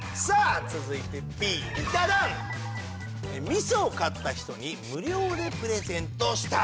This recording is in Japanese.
「みそを買った人に無料でプレゼントした」